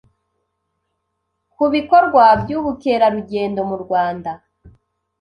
ku bikorwa by’ubukerarugendo mu Rwanda,